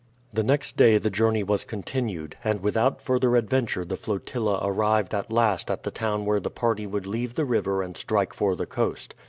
The next day the journey was continued, and without further adventure the flotilla arrived at last at the town where the party would leave the river and strike for the coast.